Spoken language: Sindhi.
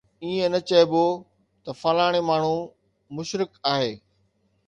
ائين نه چئبو ته فلاڻي ماڻهو مشرڪ آهي